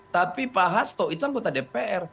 tapi pak hasto itu anggota dpr